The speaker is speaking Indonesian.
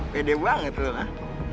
pede banget lo lah